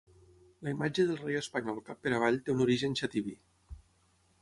La imatge del rei espanyol cap per avall té un origen xativí.